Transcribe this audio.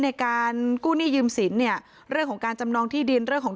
ในการกู้หนี้ยืมสินเนี่ยเรื่องของการจำนองที่ดินเรื่องของ